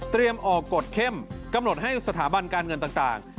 เตรียมออกกฎเข้มกำหนดให้สถาบันการเงินต่างต่าง